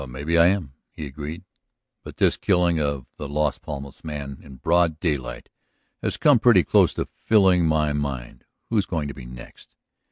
"Maybe I am," he agreed. "But this killing of the Las Palmas man in broad daylight has come pretty close to filling my mind. Who's going to be next?"